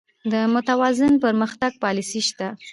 د متوازن پرمختګ پالیسي شته؟